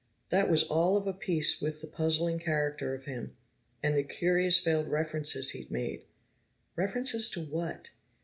That was all of a piece with the puzzling character of him, and the curious veiled references he'd made. References to what?